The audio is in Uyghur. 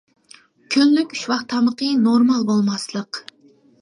كۈنلۈك ئۈچ ۋاق تامىقى نورمال بولماسلىق.